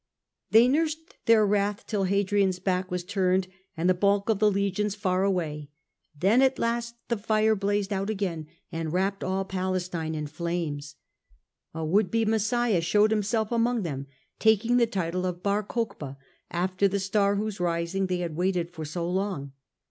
They nursed their wrath till Hadrian's back was turned, and the bulk of the legions far away ; then at last the fire blazed out again, and wrapped all Palestine in flames. A would be Messiah showed himself among them, taking the title of Bar chochebas, after the star whose rising they had waited for so long.